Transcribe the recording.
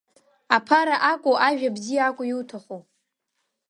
Аԥара акәу, ажәа бзиа акәу иуҭаху?